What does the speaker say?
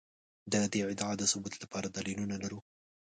د دې ادعا د ثبوت لپاره دلیلونه لرو.